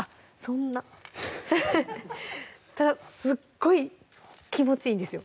そんなすっごい気持ちいいんですよ